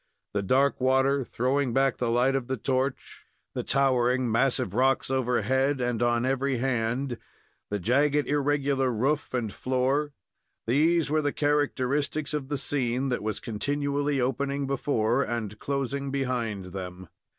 The dark water, throwing back the light of the torch; the towering, massive rocks overhead and on every hand; the jagged, irregular roof and floor these were the characteristics of the scene which was continually opening before and closing behind them.